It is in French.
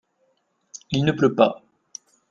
Il ne pleut pas.